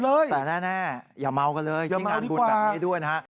แต่แน่อย่าเมากันเลยร่วมงานบุญแบบนี้ด้วยนะฮะ